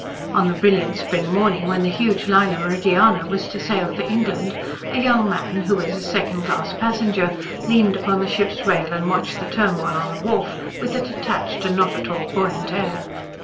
On the brilliant spring morning when the huge liner Meridiana was to sail for England a young man, who was a second class passenger, leaned upon the ship's rail and watched the turmoil on the wharf with a detached and not at all buoyant air.